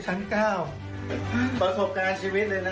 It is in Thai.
ติดอยู่ในลิฟต์